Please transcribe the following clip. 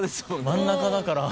真ん中だから。